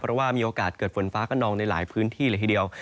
เพราะว่ามีโอกาสเกิดฝนฟ้ากระนองในหลายพื้นที่เลยทีเดียว